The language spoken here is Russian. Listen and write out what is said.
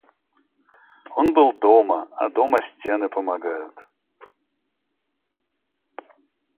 Он был дома, а дома стены помогают.